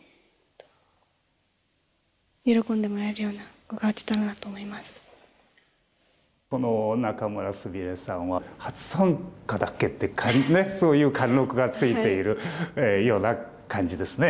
囲碁界大注目の仲邑菫女流棋聖にこの仲邑菫さんは「初参加だっけ？」ってそういう貫禄がついているような感じですね。